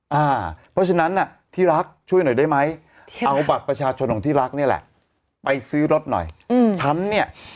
เพราะฉะนั้นที่รักช่วยหน่อยได้ไหมเอาบัตรประชาชนของที่รักนี่แหละไปซื้อรถหน่อยฉันเนี่ย